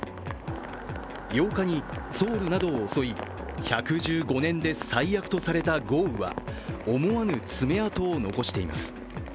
８日にソウルなどを襲い、１１５年で最悪とされた豪雨は思わぬ爪痕を残しています。